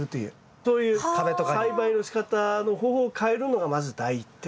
そういう栽培のしかたの方法を変えるのがまず第１点ですよね。